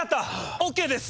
ＯＫです！